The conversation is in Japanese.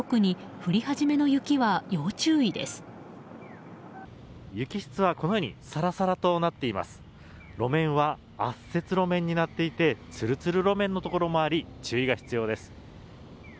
路面は圧雪路面になっていてツルツル路面のところもあり注意が必要です。